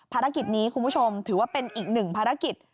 ภารกิจนี้คุณผู้ชมถือว่าเป็นอีกหนึ่งภารกิจ